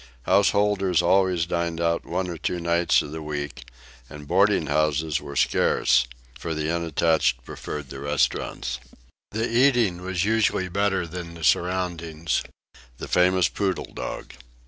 Householders always dined out one or two nights of the week, and boarding houses were scarce, for the unattached preferred the restaurants. The eating was usually better than the surroundings. THE FAMOUS POODLE DOG.